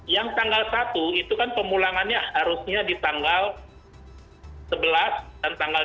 yang tanggal satu itu kan pemulangannya harusnya di tanggal sebelas dan tanggal dua puluh